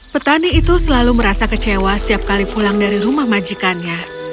petani itu selalu merasa kecewa setiap kali pulang dari rumah majikannya